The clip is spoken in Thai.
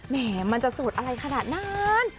แหมมันจะสูตรอะไรขนาดนั้น